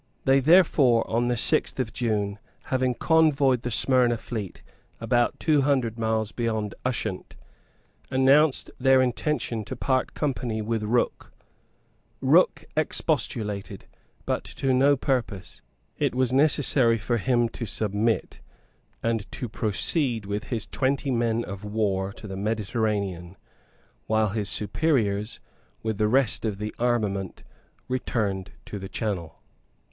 They therefore, on the sixth of June, having convoyed the Smyrna fleet about two hundred miles beyond Ushant, announced their intention to part company with Rooke. Rooke expostulated, but to no purpose. It was necessary for him to submit, and to proceed with his twenty men of war to the Mediterranean, while his superiors, with the rest of the armament, returned to the Channel.